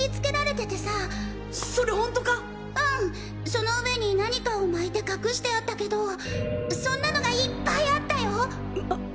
その上に何かを巻いて隠してあったけどそんなのがいっぱいあったよ！